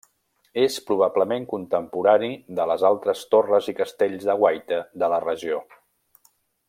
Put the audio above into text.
És probablement contemporani de les altres torres i castells de guaita de la regió.